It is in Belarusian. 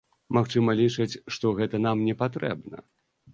Магчыма, лічаць, што гэта нам не патрэбна.